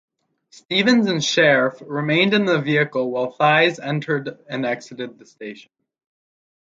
Stephens and Scherf remained in the vehicle while Thies entered and exited the station.